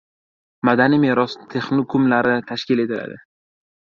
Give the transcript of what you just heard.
Madaniy meros texnikumlari tashkil etiladi